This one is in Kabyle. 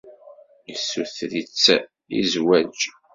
Yessuter-itt i zzwaǧ.